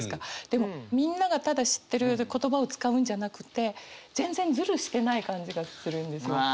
でもみんながただ知ってる言葉を使うんじゃなくて全然ズルしてない感じがするんですよ。